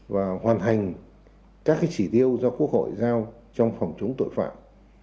và hoàn thành các chỉ tiêu do quốc hội giao trong phòng chống tội phạm